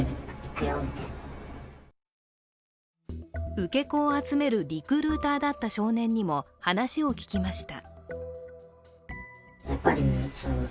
受け子を集めるリクルーターだった少年にも話を聞きました。